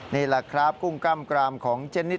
นี่แหละครับกุ้งกล้ามกรามของเจนิด